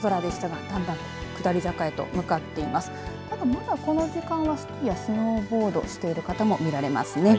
ただ、まだこの時間はスキーやスノーボードをしている方も見られますね。